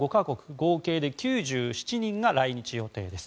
合計で９７人が来日予定です。